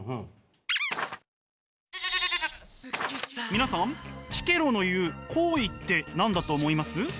皆さんキケロの言う「好意」って何だと思います？